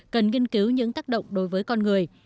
cần nghiên cứu những tác động đối với con người